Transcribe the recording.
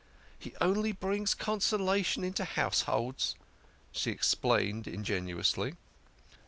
" He only brings consolation into households," she ex plained ingenuously.